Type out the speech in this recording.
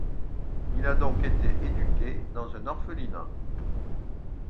Il a donc été éduqué dans un orphelinat.